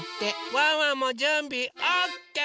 ワンワンもじゅんびオッケー！